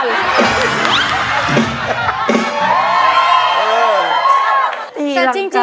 แล้วตีหลังกาม